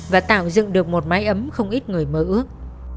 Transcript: và tạo dựng được một mái ấm không ít người mơ ước